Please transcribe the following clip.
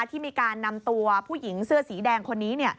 ที่มีการนำตัวผู้หญิงเสื้อสีแดงคนนี้